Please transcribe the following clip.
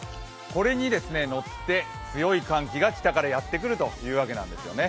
これに乗って強い寒気が北からやってくるという訳なんですよね。